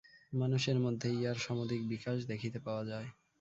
মানুষের মধ্যেই ইহার সমধিক বিকাশ দেখিতে পাওয়া যায়।